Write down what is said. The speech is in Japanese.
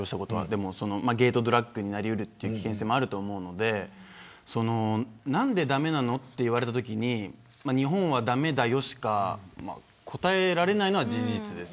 でもゲートドラッグになり得る危険性もあると思うので何で駄目なのと言われたときに日本は駄目だよしか答えられないのは事実です。